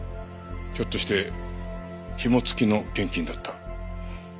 ひょっとしてひも付きの献金だった？